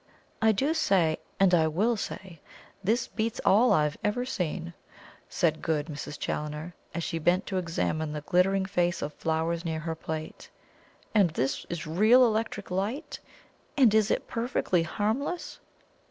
"I do say, and I will say, this beats all I've ever seen," said good Mrs. Challoner, as she bent to examine the glittering vase of flowers near her plate. "And this is real electric light? And is it perfectly harmless?"